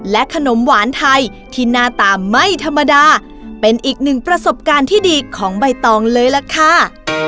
ขนมหวานไทยที่หน้าตาไม่ธรรมดาเป็นอีกหนึ่งประสบการณ์ที่ดีของใบตองเลยล่ะค่ะ